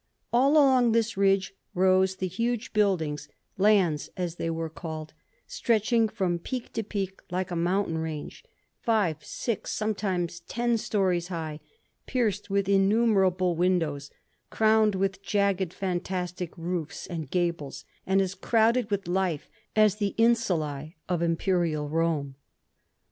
All along this ridge rose the huge buildings, ' lands,' as they were called, stretching from peak to peak like a mountain range — ^five, six, sometimes ten storeys high — pierced with innumerable windows, crowned with jagged, fantastic roofs and gables, and as crowded with life as the ^ Insulss ' of Imperial Rome.